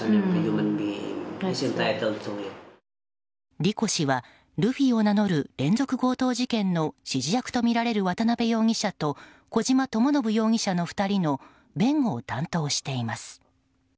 リコ氏はルフィを名乗る連続強盗事件の指示役とみられる渡辺容疑者と小島智信容疑者の２人の弁護を担当しています。